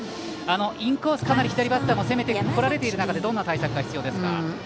インコースをかなり左バッターも攻めてこられている中でどんな対策が必要ですか？